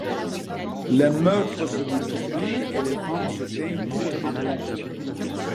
Les meurtres se multiplient et les femmes se teignent toutes en blond.